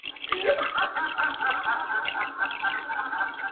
بهېږي مي رګ رګ کي ستا شراب شراب خیالونه,